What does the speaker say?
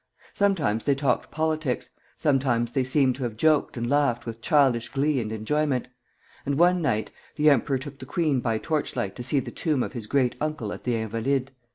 Sometimes they talked politics, sometimes they seem to have joked and laughed with childish glee and enjoyment; and one night the emperor took the queen by torchlight to see the tomb of his great uncle at the Invalides.